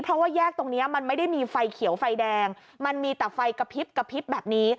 เพราะว่าแยกตรงนี้มันไม่ได้มีไฟเขียวไฟแดงมันมีแต่ไฟกระพริบกระพริบแบบนี้